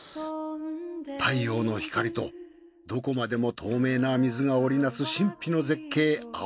太陽の光とどこまでも透明な水が織りなす神秘の絶景青池。